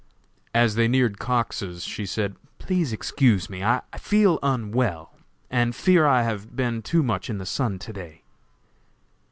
As they neared Cox's she said: "Please excuse me; I feel unwell, and fear I have been too much in the sun to day."